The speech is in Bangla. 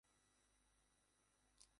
বলিউড শব্দটা হলিউড থেকে নেওয়া হয়েছে।